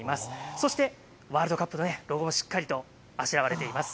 そしてワールドカップのねロゴがしっかりとあしらわれています。